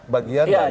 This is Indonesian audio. bagian dari sikatisan